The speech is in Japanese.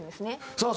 さあ